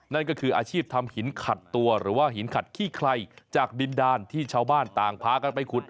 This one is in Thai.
นั่นก็คืออาชีพทำหินขัดตัวหรือว่าหินขัดขี้ไครจากดินดานที่ชาวบ้านต่างพากันไปขุด